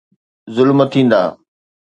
ظلم ٿيندا.